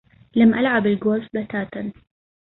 لم ألعب الجولف بتاتا.